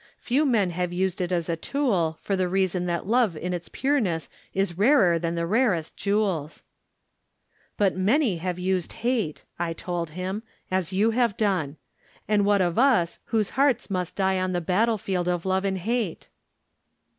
Few men have used it as a tool, for the reason that love in its pureness is rarer than the rarest jewels/' "But many have used hate,'' I told him, "as you have done. And what of us whose hearts must die on the battle field of love and hate?"